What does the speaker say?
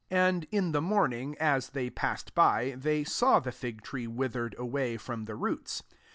£0 And in the morning, as they passed by, they saw the fig tree withered away from the roots.